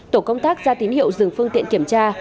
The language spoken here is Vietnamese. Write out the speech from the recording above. tổ công tác ra tín hiệu dừng phương tiện kiểm tra